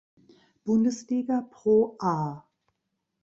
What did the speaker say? Bundesliga ProA.